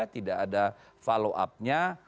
tidak ada follow upnya